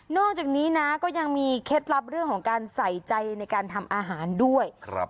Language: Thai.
จากนี้นะก็ยังมีเคล็ดลับเรื่องของการใส่ใจในการทำอาหารด้วย